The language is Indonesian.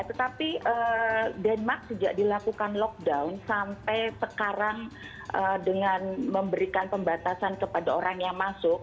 tetapi denmark sejak dilakukan lockdown sampai sekarang dengan memberikan pembatasan kepada orang yang masuk